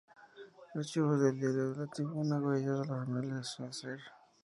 Archivos del Diario La Tribuna; Huellas de la Familia Schaerer.